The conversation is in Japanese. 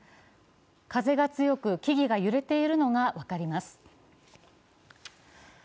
風が強く木々が揺れているのが分かります。